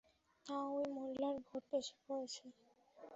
না, ওই মহল্লার ভোট এসে পড়েছে।